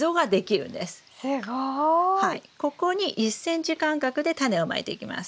はいここに１ｃｍ間隔でタネをまいていきます。